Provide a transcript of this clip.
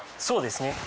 そうですね